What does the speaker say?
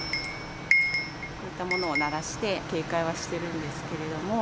こういったものを鳴らして、警戒はしてるんですけれども。